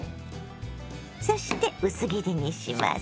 そして薄切りにします。